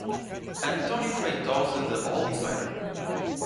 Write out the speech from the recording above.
Antônio Feitoza de Oliveira